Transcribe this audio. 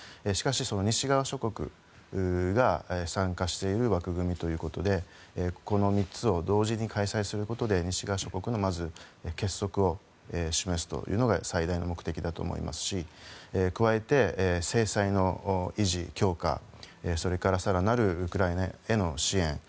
しかし、西側諸国が参加している枠組みということでこの３つを同時に開催することで西側諸国の結束を示すというのが最大の目的だと思いますし加えて、制裁の維持・強化それから更なるウクライナへの支援